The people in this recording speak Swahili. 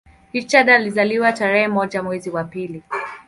Richard alizaliwa tarehe moja mwezi wa pili